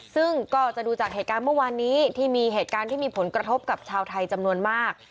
ซึ่งก็จะดูจากเหตุการณ์เมื่อวานนี้ที่มีเหตุการณ์ที่มีผลกระทบกับชาวไทยจำนวนมาก